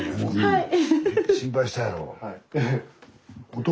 はい。